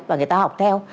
và người ta học theo